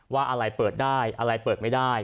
ว่าอะไรเปิดได้อะไรเปิดไม่ได้